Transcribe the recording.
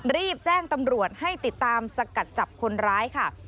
รีบแจ้งตำรวจให้ติดตามสกัดจับคนร้ายค่ะ